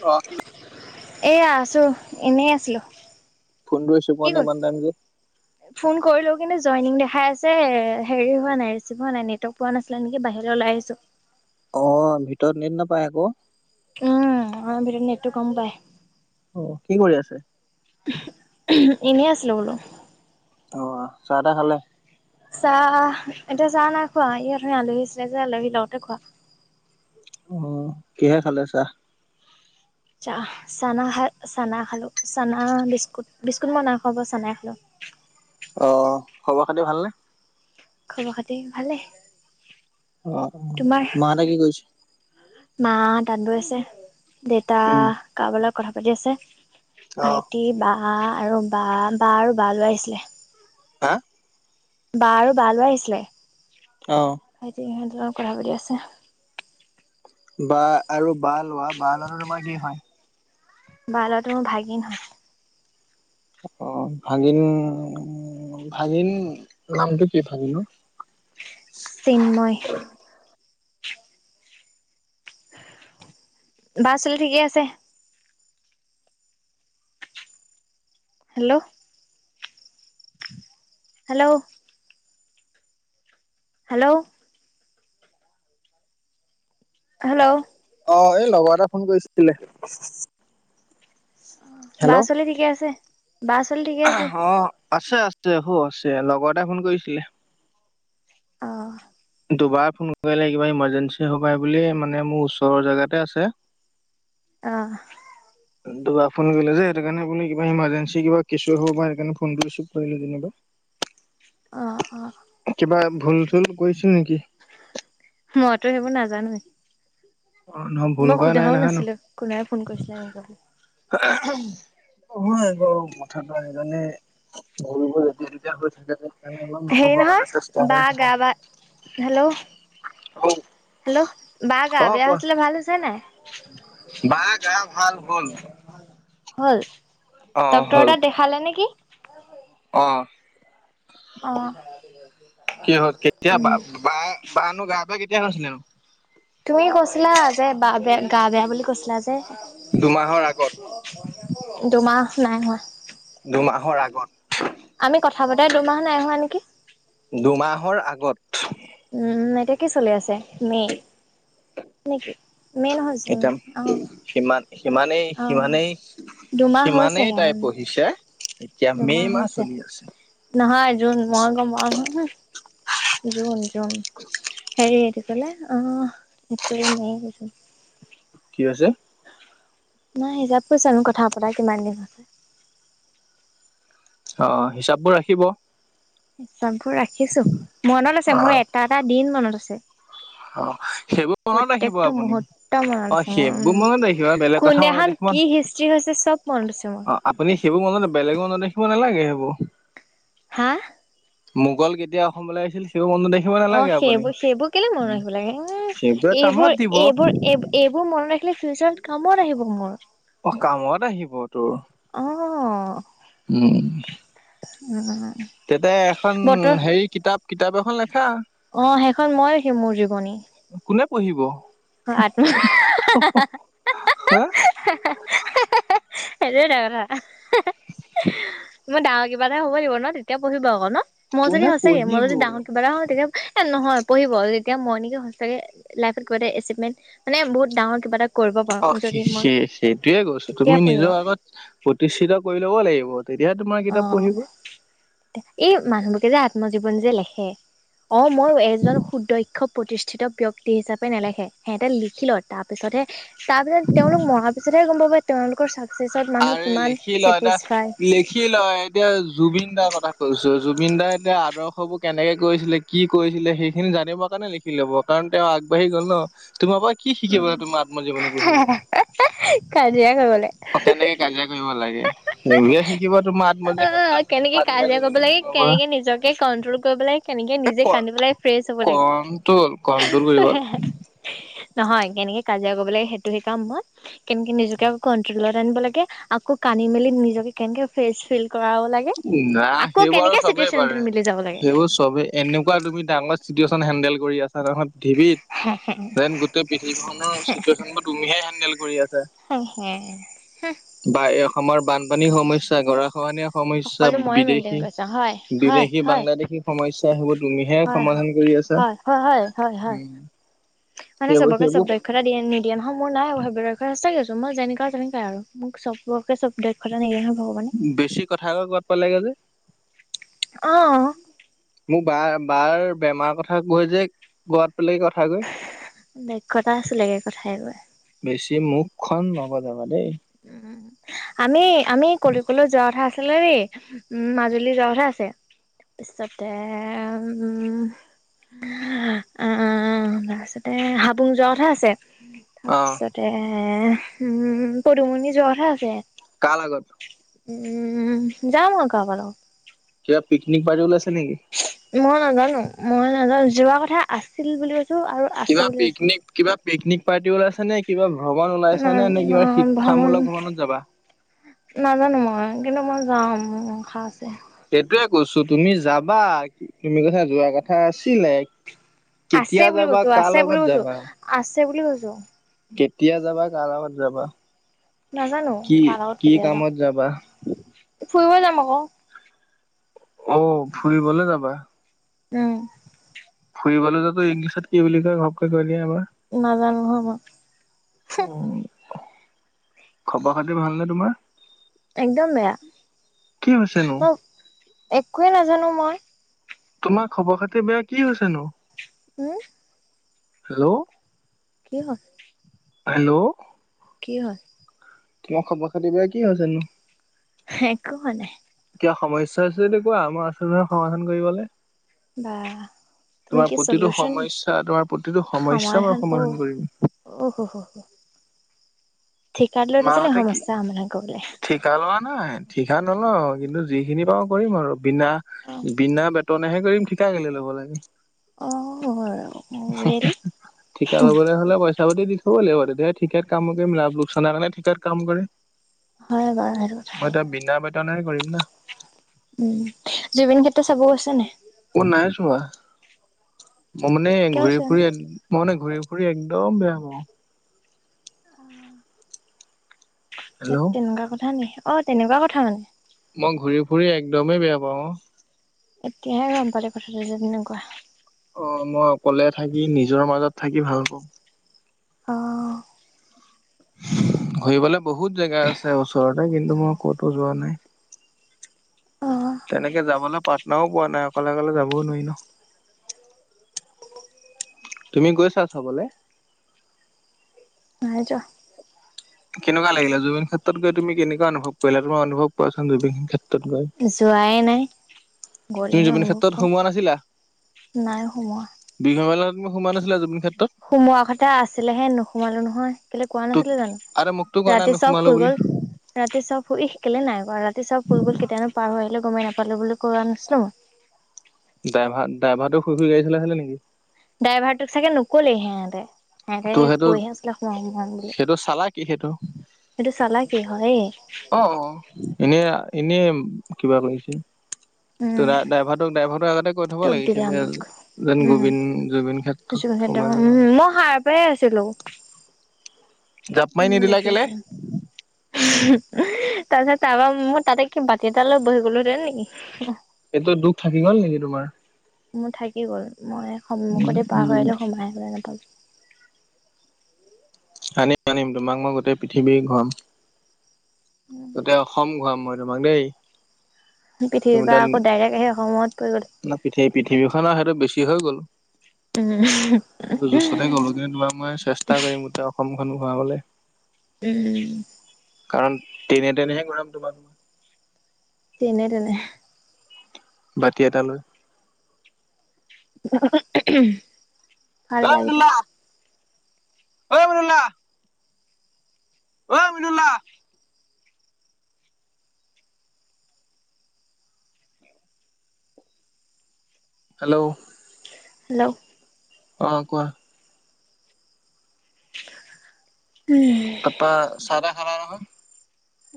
অ। এয়া আছো এনেই আছিলো। ফোনটোৱে ৰিচিভ কি কৰা ক নাই ইমান টাইম যে? [inaudible] ফোন কৰিলো কিন্তু জইনিং দেখাই আছে, হেৰি হোৱা নাই ৰিচিভ হোৱা নাই নেটৱৰ্ক পোৱা নাছিলে নেকি বাহিৰলৈ ওলাই আহিছো। অ ভিতৰত নেট নাপায় আক'। উম আমাৰ ভিতৰত নেটটো কম পায়। অ কি কৰি আছে? এনেই আছিলো বোলো। অঁ, চাহ তাহ খালা? চাহ এতিয়া নাই খোৱা, ই অথনি আলহী আহিছিলে যে আলহী লগতে খোৱা। অ, কিহে খালে চাহ? চাহ চানা খা চানা খালো চানা বিস্কুট বিস্কুট মই নাইখোৱা বাৰু চানাই খালো। অঁ, খবৰ খাতি ভালনে? খবৰ খাতি ভালে। অঁ, মাহঁতে কি কৰিছে? মাঁ তাত বৈ আছে, দেউতা উম। কাৰোবাৰ লগত কথা পাতি আছে, অ ভাইটি, সি বা আৰু বা বা আৰু বা লৰা আহিছিলে। হা? বা আৰু বা লৰা আহিছিলে। অ। ভাইটি সিহঁতৰ লগত কথা পাতি আছে। বা আৰু বা লৰা, বা লৰাটো তোমাৰ কি হয়? বা লৰাটো মোৰ ভাগিন হয়। অঁ, ভাগিন ভাগিন নামটো কি ভাগিনৰ? চিন্ময়। বা ছোৱালী ঠিকে আছে? হেল্ল'! হেল্ল'! হেল্ল'! হেল্ল'! অঁ, এই লগৰ এটা ফোন কৰিছিলে? অঁ, বাৰ ছোৱালী ঠিকে আছে বাৰ ছোৱালী ঠিকে আছে? অঁ, আছে আছে হউ আছে। লগৰ এটাই ফোন কৰিছিলে। অহ। দুবাৰ ফোন কৰিলে কিবা ইমাৰ্জেঞ্চি হ'ব পাৰে বুলি মানে মোৰ ওচৰৰ জেগাতে আছে। অ'। দুবাৰ ফোন কৰিলে যে সেই কাৰণে আপু কিবা ইমাৰ্জেঞ্চি কিবা কেচু হ'ব বা সেইকাণে ফোন ৰিচিভ কৰিলো যেনিবা। অহ, অহ। বা ই ভুল চুল কৰিছিল নেকি। মইতো সেইবোৰ নাজানো। অ নহয় ভুল মই কৰা নাই সোধাও নহয় ন? নাছিলো কোনে ফোন কৰিছিলে। হয় আকৌ কথাটো সেইকাৰণে [unintelligible] বহ বল এতিয়া যেতিয়া হৈ থাকে যে [unintelligible] নহ'বৰ হেৰি কাৰণে চেষ্টা নহয় বা কৰি থাকো। গা বা হেল্ল'। হেল্ল' বা গা অ বেয়া কোৱা হৈছিলে ভাল হৈছে নাই। বা গা ভাল হল। হ'ল অ ডক্তৰ হ'ল তাত দেখালে নেকি। অ', অ কি হ'ল কেতিয়া বা উম বা নো গা বেয়া কেতিয়া হৈছিল নো। তুমি কৈছিলা যে বা বেয়া গা বেয়া বুলি কৈছিলা যে। দুমাহৰ আগত। দুমাহ নাই হোৱা। দুমাহৰ আগত। আমি কথা পাতা দুমাহ নাই হোৱা নেকি। দুমাহৰ আগত। উম এতিয়া কি চলি আছে মে নেকি মে নহয় জুন এতিয়া অহ। সিমান সিমানেই, অ সিমানেই দুমাহ সিমানেই হৈছেহে তাই উম পঢ়িছে এতিয়া দুমাহ মে' মাহ হৈছে চলি আছে নহয় জোন ম গম আৰু হ, হ জুন, জুন হেৰি আহ থছিললে অ', এপ্ৰিল ম কি হৈছে। নাই হিচাপ কৈছালো কথা পতা কিমান দিন হ'ল। অ', হিচাপবোৰ ৰাখিব। চববোৰ ৰাখিছোঁ মনত আছে মোৰ এটা, এটা দিন মনত আছে। অ সেইবোৰ মনত ৰাখিব প্ৰত্যয়েক টো আপুনি মুহূৰ্ত অ মনত আছে মোৰ সেইবোৰ মনত ৰাখিব উম বেলেগ কথা মনত কোনদিনাখন ৰাখিব কি হিষ্ট্ৰি হৈছে সব মনত আছে মোৰ। অ', আপুনি সেইবোৰ মনতে বেলেগ মনত ৰাখিব নালাগে এই বোৰ। হা মোগল কেতিয়া অসমলৈ আহিছিল সিও মন দেখ অ', সেইবোৰ, সেইবোৰ কেলে মন ৰাখিব লাগে উম সেইবোৰে কামত এইবোৰ, দিব এইবোৰ এই এইবোৰ মনত ৰাখিলে ফিউচাৰত কামত আহিব মোৰ। অ', কামত আহিব তোৰ। অ'। উম তেতিয়া এখন বতৰ হেৰি কিতাপ, কিতাপ এখন লেখা। অ', সেইখন মই লিখিম মোৰ জীৱনী কোনে পঢ়িব। আত হা এটো টো কথা। মই ডাঙৰ কিবা এটা হ'ব লাগিব ন তেতিয়া পঢ়িব আকৌ ন মই যদি কোনে হৈছেগে মই পঢ়িব যদি ডাঙৰ কিবা এটা হয়ওঁ তেতিয়া এ নহয় পঢ়িব তেতিয়া মই নেকি সঁচাকে লাইফত কিবা এটা এচিভমেন্ট মানে বহুত ডাঙৰ কিবা এটা কৰিব অ পাৰো সে যদি মই সে সেইটোয়ে কৈছো তেতিয়া তুমি পঢ়িব নিজৰ আগত প্ৰতিষ্ঠিত কৰি ল'ব লাগিব তেতিয়াহে তোমাক অ এই মানুহবোৰকে যে আত্মজীৱন যে লেখে অ মই এজন সুদক্ষ প্ৰতিষ্ঠিত ব্যক্তি হিচাপে নেলেখে হিহঁতে লিখিলয় তাৰপিছতহে তাৰপিছত তেওঁলোক মৰাৰ পিছতহে গম পাই তেওঁলোকৰ চাক আৰে লিখি লয় এটা লিখি লয় এতিয়া জুবিন দাৰ কথা কৈছো জুবিন দাৰ এতিয়া আদৰ্শবোৰ কেনেকে কৰিছিলে কি কৰিছিলে সেইখিনি জানিব কাৰণে লিখি লব কাৰণ তেওঁ আগবাঢ়ি গল ন তোমাৰ পৰা কি শিকিব তুমাৰ আত্মজীৱনী পহিলে। এহ এহ এহ কাজিয়া কৰিবলে অ কেনেকে কাজিয়া কৰিব লাগে সেইবোৰহে শিকিব তোমাৰ অ আত্মজী অ অ কেনেকে কাজিয়া কৰিব লাগে, আত্মজীৱনীখনৰ পৰা কেনেকে নিজকে কণ্ট্ৰল কৰিব লাগে, কেনেকে এই নিজে ক কান্দিব লাগ। ফ্ৰেছ হ'ব লাগে কণ্ট্ৰল কণ্ট্ৰল হা কৰিব হে হে নহয় কেনেকে কাজিয়া কৰিব লাগে সেইটোহে কাম মই কেনেকে নিজকে কন্ট্ৰলত আনিব লাগে, আকৌ কানি মেলি নিজকে কেনেকে ফ্ৰেচ ফিল কৰাব লাগে। নাই আকৌ সেইবোৰ আৰু কেনেকে চবেই চিটুৱেশ্যনটোত পাৰে মিলি যাব লাগে সেইবোৰ চবেই এনেকুৱা তুমি ডাঙৰ চিটুৱেচন হেন্দডেল কৰি আছা নহই পৃথিৱীত যেন গোটেই পৃথিৱখনৰ চিটুৱেশ্যন বোৰ তুমিহে হেডেল কৰি আছা সকলো বা এই অসমৰ বানপানীৰ সমস্যা গৰা খহনীয়া সমস্যা সমস্যা ময়ে মেইনটেইন বিদেশী কৰিছো হয় হয় বিদেশী হয় বাংলাদেশী সমস্যা হেইবো তুমিহে হয় হয় সমাধান কৰি আছা হয় হয় হয় হয় হয় উম মানে সেইবোৰ চবকে চব সেইবোৰ দক্ষ নিদিয়ে নহয় মোৰ নাই সেইবিলাক সচাকে কৈছো মই যেনেকুৱা তেনেকুৱাই আৰু মোক চবকে চব দক্ষতা নিদিয়ে নহয় ভগৱানে বেছি কথা গৈ কৰবাত পালাগে যে অ মোৰ বা বাৰ বেমাৰ কথা কয় যে গোৱাত পালেগে কথা গৈ দক্ষতা আছিলেগে কথাই কয় বেছি মুখখন নবজাবা দেই উ আমি আমি কলৈ কলৈ যোৱা কথা আছিলে দেই উম মাজুলী যোৱা কথা আছে তাৰ পিছতে উম আহ আ আ তাৰপিছতে হাবুং যোৱা কথা আছে অ', তাৰপিছতে এ উম পদুমণি জোৱাৰ কথা আছে, কাৰ লগত উম যাম আৰু কাৰোবাৰ লগত কিবা পিকনিক পাৰতি উলাইছে নেকি মই নাজানো মই নাজাও যোৱা কথা আছিল বুলি কৈছো আৰু আছে কিবা বুলি কৈছো পিকনিক কিবা পিকনিক পাৰ্টি ওলাইছে নে কিবা ভগৱন ওলাইছে নে নে কিবাৰ ন ভ্ৰমণ শিক্ষামূলক ভ্ৰৱনত যাবা নাজানো মই কিন্তু মই যাম অংসা আছে সেইটোয়ে কৈছো তুমি যাবা তুমি কথা যোৱা কথা আছিলে আছে কেতিয়া বুলি যাবা কৈছো কাৰ আছে বুলি লগত কৈছো যাবা আছে বুলি কৈছো কেতিয়া যাবা কাৰ লগত যাবা নাজানো কি কাৰ লগত কি কেতিয়া যাওঁ কামত যাবা ফুৰিব যাম আকৌ অ ফুৰিবলে যাবা উম [inaudible] টো ইংলিছত কি বুলি কয় ঘপকে কৈ দিয়া এবাৰ নাজানো নহয় মই। অঁ খবৰ খাতি ভালনে তোমাৰ? একদম বেয়া, কি হৈছেনো মই একোৱেই নাজানো মই তোমাৰ খবৰ খাতি বেয়া কি হৈছেনো? উম হেল্ল' কি হল? হেল্ল' কি হল? তোমাৰ খবৰ খাতি বেয়া কি হৈছে নো? একো হোৱা নাই। কিবা সমস্যা আছে যদি কোৱা মই আছো নহয় সমাধান কৰিবলে। বা তুমি তোমাৰ কি প্ৰতিটো সলিউশন সমস্যা তোমাৰ প্ৰতিটো সমস্যা মই সমাধান কৰিম। অ হ হ ঠিকা লৈ থৈছে নেকি মাহঁতে কি সমস্যা সমাধান কৰিবলে। ঠিকা লোৱা নাই ঠিকা নলওঁ কিন্তু যিখিনি পাৰো কৰিম আৰু বিনা বিনা বে বেতনেহে কৰিম ঠিকা কেলে ল'ব লাগে। অ অ ৰেল ঠিকা লবলে হলে পইচা পাতি দি থব লাগিব তেতিয়াহে ঠিকাত কাম কৰিম লাভ লোকচানাৰ কাৰণে ঠিকাত কাম কৰিম। হয় বাৰু হেতু কথা। মই এতিয়া বিনা বেতনেহে কৰিম না। উম, জুবিন খেত্ৰ চাব গৈছে নে নাই? অ নাই যোৱা, মই মানে কিয় ঘূৰি চোন ফুৰি এক মই মানে ঘূৰি ফুৰি একদম বেয়া পাওঁ। সেই হেল্ল' তেনেকুৱা কথা নি, অ তেনেকুৱা কথা মানে। মই ঘূৰি ফুৰি একদমেই বেয়া পাওঁ অ। এতিয়াহে গম পালো কথাটো যে তেনেকুৱা। অ মই অকলে থাকি নিজৰ মাজত থাকি ভাল পাওঁ। অ ঘুৰিবলৈ বহুত জেগা আছে ওচৰতে কিন্তু মই কতো যোৱা নাই। অ তেনেকে যাবলে পাটনাও পোৱা নাই অকলে অকলে যাবও নোৱাৰি ন। তুমি গৈছা চাবলে? নাই যোৱা। কেনেকুৱা লাগিলে জুবিন ক্ষেত গৈ তুমি কেনেকুৱা অনুভৱ কৰিলা তোমাৰ অনুভৱ কোৱা চুন জুবিন ক্ষেত- যোৱাই নাই তুমি গ'লেহে জুবিন অনুভৱ ক্ষেত্ৰত কম সোমোৱা নাই সোমোৱা। বিঘমেলাত সোমোৱা নাছিলা জবিন ক্ষেতত? সোমোৱা কথা আছিলেহে নোসোমালো নহয়। কেলে কোৱা তোক নাছিলোঁ আৰে মোকতো জানো কোৱা নাই ৰাতি চব নোসোমালো শুই বুলি গ'ল। ৰাতি চব শুই, ই কেলে নাই কুৱা ৰাতি চব শুই গল কেতিয়ানো পাৰ হৈ আহিলে গমে নাপালো বুলি কোৱা নাছিলোঁ মই। ড্ৰভাৰ ডাইভাৰটো শুই শুই গাড়ী চলাই চিলে নেকি? ড্ৰাইভাৰটোক চাগে নকলে সেহঁতে। হেতে ত' সেইটো কৈহে আছিলে হোমাম হোমাম বুলি। সেইটো চালা কি সেইটো সেইটো চালা কি হয়। অ অ এনেই এনেই কিবা কৰিছে উম তো ড্ৰাইভাৰট ড্ৰাইভাৰটো আগতে কৈ থ'ব টোপ দিলে লাগিছিলে আমাক। যেন উম জুবিন জুবিন ক্ষেত্ৰত সোমাই যাব। কৈয়েই আছিলো। জাপ [inaudible] মাৰি তাৰ নিদিলা কেলে পিছত তাৰপৰা মোৰ তাতে কি বাতি এটা লৈ বহি গ'লোহেতে নেকি! এইটো দুখ থাকি গ'ল নেকি তোমাৰ? উম, থাকি গ'ল মই সন্মুখ দি পাৰ হৈ উম আহিলে সোমাই আহিবলৈ নাপালো। আনিম আনিম তোমাক মই গোটেই পৃথিৱী ঘূৰাম। গোটেই অসম ঘূৰাম মই তোমাক দেই। পৃথিৱীৰ পৰা আকৌ ডাইৰেক্ট আহে অসমত পৰি গ'ল না পৃথি-পৃথিৱীখনৰ আৰু সেইটো বেছি হৈ গ'ল। উম জুচতে ক'লোগে তোমাক মই চেষ্টা কৰিম গোটেই অসমখন ঘূৰাবলৈ। উম। কাৰণ ট্ৰেইনে ট্ৰেইনেহে ঘূৰাম তোমাক। ট্ৰেইনে ট্ৰেইনে! বাতি এটা লৈ! [inaudible] ভাল লাগিলে [inaudible] [inaudible] হেল্ল'। হেল্ল'। অ', কোৱা। উম। তাৰপা চাহ তাহ খালা নহয়?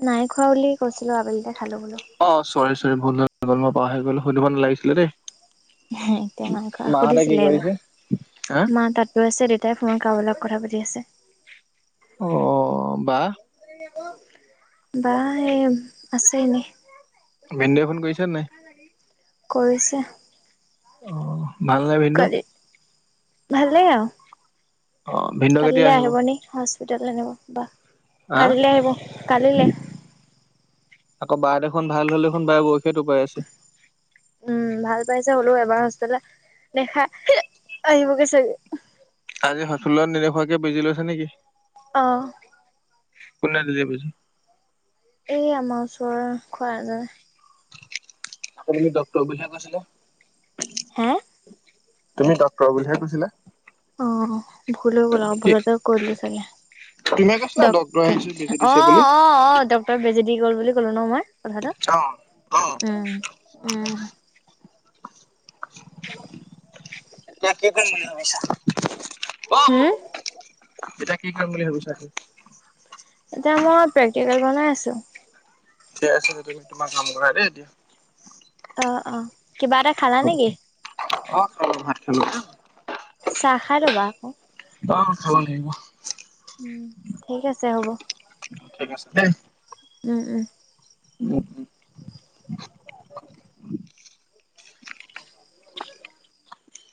নাই খোৱা বুলি কৈছিলো আবেলিতে খালো বোলো। অ', চৰি চৰি ভুল হৈ গ'ল মই পাহৰি গ'লো সুধিব নালাগিছিলে দেই। এতিয়া এনেকুৱা মাহঁতে কি সুধিছিলে এইবাৰ। কৰিছে? হা মা তাঁত বৈ আছে দেউতাই ফোন কাৰোবাৰ লগত কথা পাতি আছে। অ', বা? বা এই আছে এনে। ভিন্দয়ে ফোন কৰিছেনে নাই? কৰিছে। অ', ভালনে ভিন্দ? ভালই আৰু অ ভিনদেউ কেতিয়া কালিলৈ আহিব নি হস্পিটাললৈ নিব বাক হা কালিলৈ আহিব কালিলে। আকৌ বা দেখোন ভাল হ'লে বা দেখোন বৰষী হে টোপাই আছে। উম, ভাল পাইছে হ'লেও এবাৰ হস্পিতালৈ নি দেখাই আহিব গৈ চাগে। কালি হস্পিতালত নেদেখোৱাকেই বেজি লৈছে নে কি? অ'। কোনে দিলে বেজি? এই আমাৰ ওচৰৰ খুৰাজনে। আকৌ বোলে ডক্টৰ বুলি হে কৈছিলে। হে তুমি ডক্তৰ বুলিহে কৈছিলা? অ', ভুল হৈ গ'ল আৰু কি ভুলতে কৈ দিলো চাগে। তুমিয়ে কৈছিলা ডক্তৰ আহিছে ডক্টৰ বেজি অ' দিছে বুলি। অ' অ' ডক্টৰে বেজি দি গ'ল বুলি ক'লো ন মই? কলহাদ অ অ উম, উম,। [unintelligible] এতিয়া কি হম খাম বুলি ভাবিছা তু এতিয়া মই প্ৰেক্টিকেল বনাই আছো। ঠিক আছে তুমি তোমাৰ কাম কৰা দেই এতিয়া। অ', অ', কিবা এটা খালা হ'ব। নে কি? অ', খালো, ভাত খালো দেই- চাহ খাই ল'বা আকৌ। অ', খাব লাগিব। উম, ঠিক আছে হ'ব। ঠিক আছে দেই। উম, উম,। উম,।